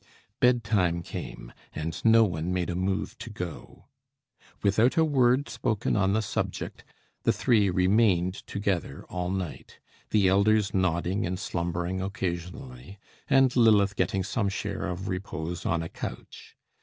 Bedtime came, and no one made a move to go. Without a word spoken on the subject, the three remained together all night; the elders nodding and slumbering occasionally, and Lilith getting some share of repose on a couch.